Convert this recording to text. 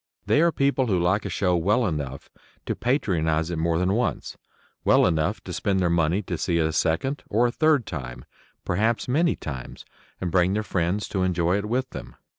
They are people who like a show well enough to patronize it more than once well enough to spend their money to see it a second or a third time, perhaps many times, and bring their friends to enjoy it with them.